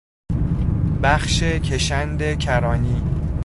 بخش کشند کرانی